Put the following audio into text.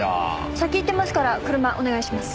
先行ってますから車お願いします。